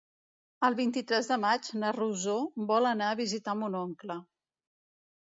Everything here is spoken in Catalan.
El vint-i-tres de maig na Rosó vol anar a visitar mon oncle.